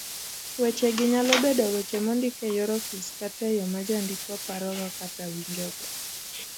Wechegi nyalo bedo weche mondik eyor ofis kata eyo majandiko parogo kata winjogo